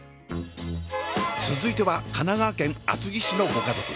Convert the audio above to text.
続いては神奈川県厚木市のご家族。